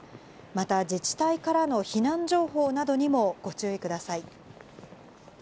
また自治体からの避難情報などにもご注意ください。